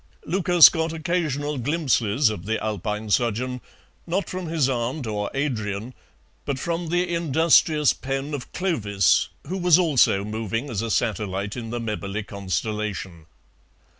Lucas got occasional glimpses of the Alpine sojourn, not from his aunt or Adrian, but from the industrious pen of Clovis, who was also moving as a satellite in the Mebberley constellation.